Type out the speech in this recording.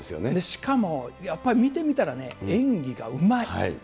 しかも、やっぱり見てみたらね、演技がうまい。